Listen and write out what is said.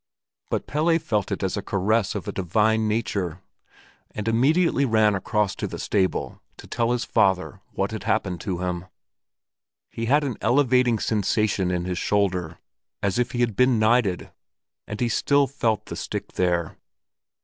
But Pelle felt it as a caress of a divine nature, and immediately ran across to the stable to tell his father what had happened to him. He had an elevating sensation in his shoulder as if he had been knighted; and he still felt the stick there.